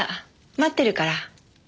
待ってるから。